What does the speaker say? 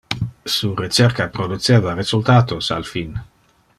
Su recerca produceva resultatos al fin.